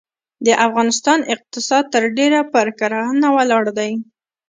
د افغانستان اقتصاد ترډیره پرکرهڼه ولاړ دی.